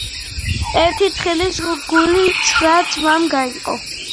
ერთი თხილის გული ცხრა ძმამ გაიყო